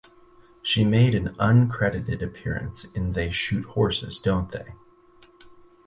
She made an uncredited appearance in They Shoot Horses, Don't They?